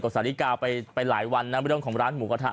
กับศาลิกาไปหลายวันเรื่องของร้านหมูกะทะ